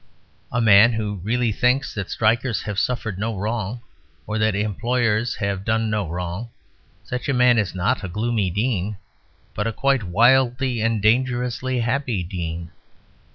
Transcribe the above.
A man who really thinks that strikers have suffered no wrong, or that employers have done no wrong such a man is not a Gloomy Dean, but a quite wildly and dangerously happy Dean.